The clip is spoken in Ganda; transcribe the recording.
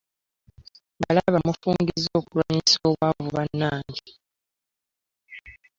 Mbalaba mufungizza okulwanyisa obwavu bannange.